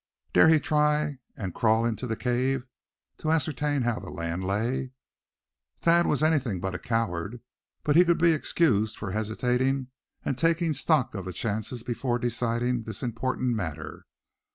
Dare he try and crawl into the cave, to ascertain how the land lay? Thad was anything but a coward; but he could be excused for hesitating, and taking stock of the chances before deciding this important matter.